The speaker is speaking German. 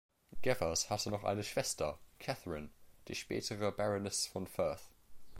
Gevers hatte noch eine Schwester, Catherine, die spätere Baroness von Furth.